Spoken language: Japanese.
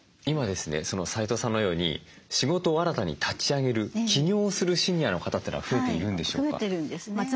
今ですね齋藤さんのように仕事を新たに立ち上げる起業するシニアの方ってのは増えているんでしょうか？